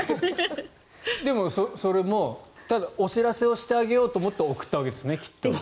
でも、それもお知らせをしてあげようと思って送ったわけですよね、きっと。